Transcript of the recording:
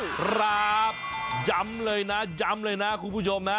ครับย้ำเลยนะย้ำเลยนะคุณผู้ชมนะ